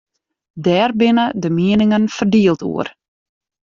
Dêr binne de mieningen ferdield oer.